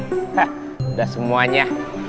hah udah semuanya